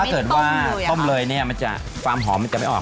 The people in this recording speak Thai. ถ้าเกิดว่าต้มเลยเนี่ยมันจะความหอมมันจะไม่ออก